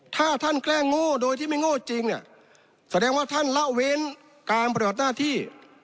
ถ้าท่านแกล้งโง่โดยที่ไม่โง่จริงเนี่ยแสดงว่าท่านละเว้นการปฏิบัติหน้าที่